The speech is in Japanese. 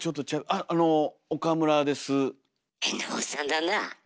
あっあの岡村です。